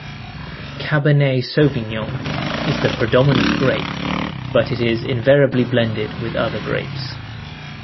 Cabernet Sauvignon is the predominant grape, but it is invariably blended with other grapes.